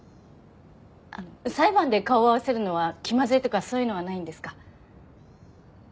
裁判で顔を合わせるのは気まずいとかそういうのはないんですか？